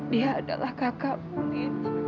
dia adalah kakakmu